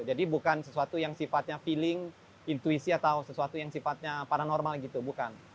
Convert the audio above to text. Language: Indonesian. jadi bukan sesuatu yang sifatnya feeling intuisi atau sesuatu yang sifatnya paranormal gitu bukan